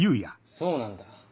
そうなんだ。